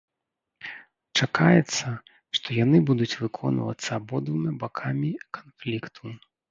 Чакаецца, што яны будуць выконваецца абодвума бакамі канфлікту.